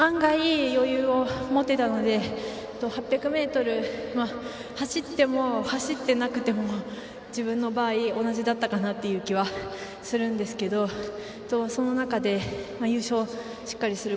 案外、余裕を持てたので８００ｍ走っても走ってなくても自分の場合、同じだったかなという気はするんですがその中で、優勝をしっかりする